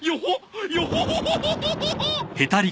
ヨホホホ。